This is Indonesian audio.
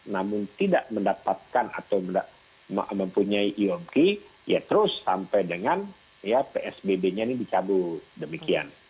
namun tidak mendapatkan atau mempunyai iop ya terus sampai dengan psbb nya ini dicabut demikian